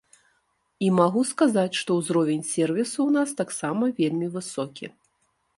І магу сказаць, што ўзровень сервісу ў нас таксама вельмі высокі.